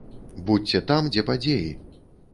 Будзьце там, дзе падзеі.